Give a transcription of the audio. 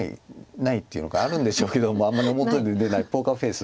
ないっていうのかあるんでしょうけどあんまり表に出ないポーカーフェース？